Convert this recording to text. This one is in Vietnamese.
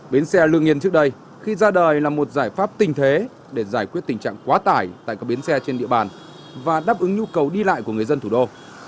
bến xe lương nhiên trước đây khi ra đời là một giải pháp tình thế để giải quyết tình trạng quá tải tại các bến xe trên địa bàn và đáp ứng nhu cầu đi lại của người dân thủ đô